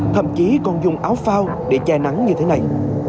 thậm chí còn dùng áo phao để che nắng như thế này